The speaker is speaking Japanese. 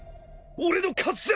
俺の勝ちだ！